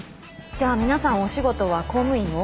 じゃあ皆さんお仕事は公務員を？